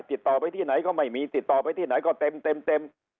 ติดต่อไปที่ไหนก็ไม่มีติดต่อไปที่ไหนก็เต็ม